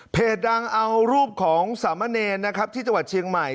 เพจดังเอารูปของสามอเนรที่จังหวัดเชียงใหม่